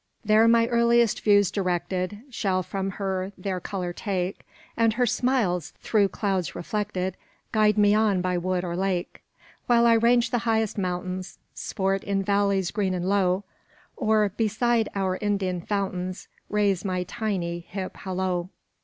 ```There my earliest views directed, ````Shall from her their color take, ```And her smiles, through clouds reflected, ````Guide me on by wood or lake. ```While I range the highest mountains, ````Sport in valleys green and low, ```Or, beside our Indian fountains, ````Raise my tiny hip hallo.